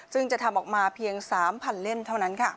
ซึ่งจะทำออกมาเพียง๓๐๐เล่มเท่านั้น